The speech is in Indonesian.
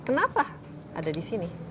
kenapa ada disini ya